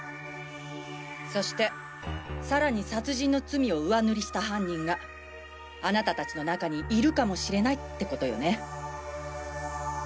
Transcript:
そしてさらに殺人の罪を上塗りした犯人があなた達の中にいるかもしれないってことよね？